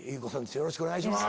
よろしくお願いします。